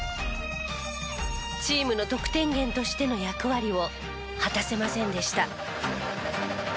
チームの得点源としての役割を果たせませんでした。